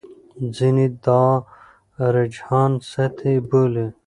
ځینې دا رجحان سطحي بولي.